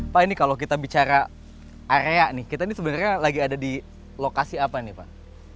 pak ini kalau kita bicara area nih kita ini sebenarnya lagi ada di lokasi apa nih pak